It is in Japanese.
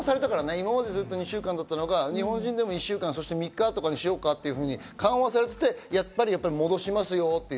今まで２週間だったのが日本人でも１週間とか３日にしようかとか緩和されて、やっぱり戻しますよっていう。